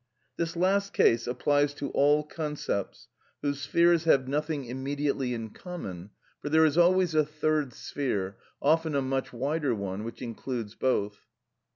] This last case applies to all concepts whose spheres have nothing immediately in common, for there is always a third sphere, often a much wider one, which includes both.